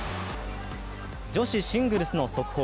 女子シングルスの速報。